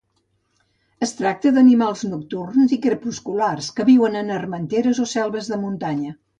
Es tracta d'animals nocturns i crepusculars que viuen a armenteres o selves de muntanya.